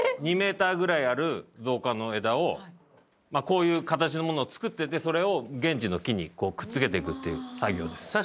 ２メーターぐらいある造花の枝をこういう形のものを作っててそれを現地の木にくっつけていくっていう作業です。